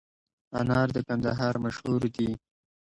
انار د کندهار مشهور دي